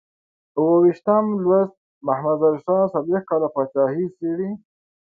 اوو ویشتم لوست محمد ظاهر شاه څلویښت کاله پاچاهي څېړي.